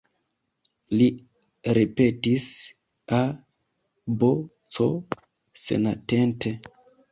Li ripetis, A, B, C, senatente.